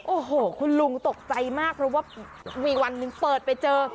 โอ้โหคุณลุงตกใจมากเพราะว่ามีวันหนึ่งเปิดไปเจอ